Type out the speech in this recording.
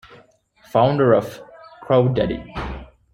Founder of Crawdaddy!